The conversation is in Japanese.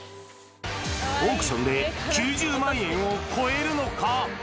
オークションで９０万円を超えるのか。